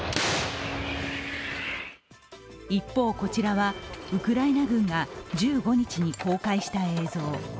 一方、こちらはウクライナ軍が１５日に公開した映像。